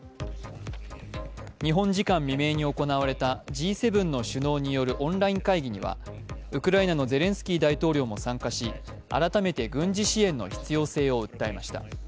日本時間未明に行われたＧ７の首脳によるオンライン会議にはウクライナのゼレンスキー大統領も参加し、改めて軍事支援の必要性を訴えました。